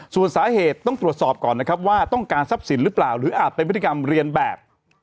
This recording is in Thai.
แต่ต้องตรวจสอบก่อนว่าต้องการทรัพย์สินหรือเปล่าหรืออาจเป็นพิกัดเรียนแบบ